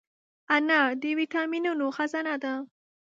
انار د ویټامینونو خزانه ده.